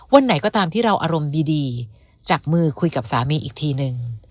ไหนก็ตามที่เราอารมณ์ดีจับมือคุยกับสามีอีกทีนึง